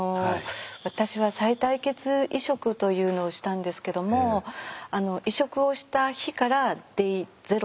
私はさい帯血移植というのをしたんですけども移植をした日からｄａｙゼロと数えて。